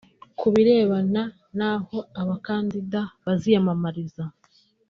Ku birebana n’aho abakandida baziyamamariza